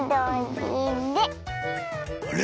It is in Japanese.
あれ⁉